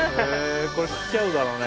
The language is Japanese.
これ来ちゃうだろうね